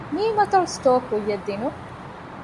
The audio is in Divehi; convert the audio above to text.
މ. އަތޮޅު ސްޓޯރ ކުއްޔަށް ދިނުން